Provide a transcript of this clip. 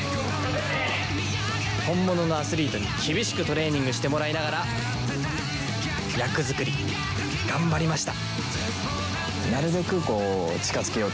本物のアスリートに厳しくトレーニングしてもらいながら役作り頑張りました。